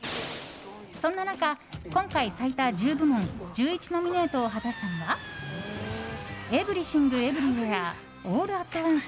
そんな中、今回最多１０部門１１ノミネートを果たしたのは「エブリシング・エブリウェア・オール・アット・ワンス」。